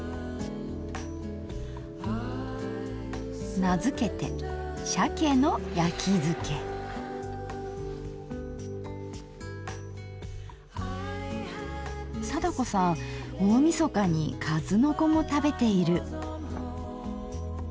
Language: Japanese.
名付けて貞子さん大みそかにかずのこも食べている。